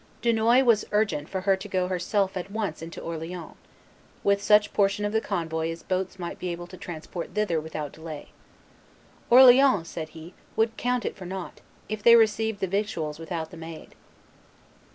Dunois was urgent for her to go herself at once into Orleans, with such portion of the convoy as boats might be able to transport thither without delay. "Orleans," said he, "would count it for nought, if they received the victuals without the Maid."